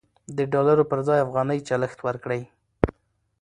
د ډالرو پر ځای افغانۍ چلښت ورکړئ.